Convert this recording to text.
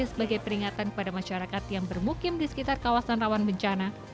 sebagai peringatan kepada masyarakat yang bermukim di sekitar kawasan rawan bencana